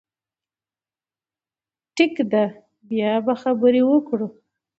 ټيک ده، بيا به خبرې وکړو